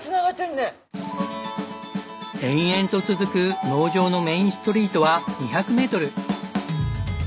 延々と続く農場のメインストリートは２００メートル！